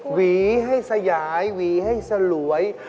หวีให้สยายหวีให้สลวย